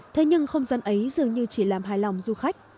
thế nhưng không gian ấy dường như chỉ làm hài lòng du khách